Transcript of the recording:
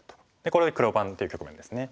これで黒番という局面ですね。